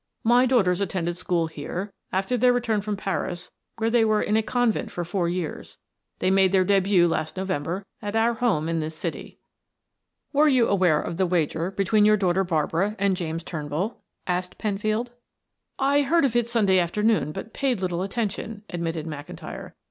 "My daughters attended school here after their return from Paris, where they were in a convent for four years. They made their debut last November at our home in this city." "Were you aware of the wager between your daughter Barbara and James Turnbull?" asked Penfield. "I heard of it Sunday afternoon but paid little attention," admitted McIntyre.